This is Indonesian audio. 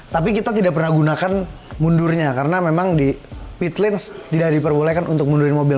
tapi kita tidak pernah gunakan mundurnya karena memang di pitlins tidak diperbolehkan untuk mundurin mobil